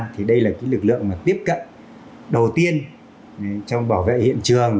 thì đây là lực lượng tiếp cận đầu tiên trong bảo vệ hiện trường